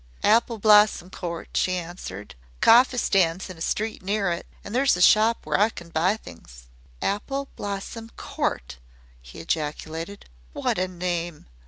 "Apple Blossom Court," she answered. "The cawfee stand's in a street near it and there's a shop where I can buy things." "Apple Blossom Court!" he ejaculated. "What a name!"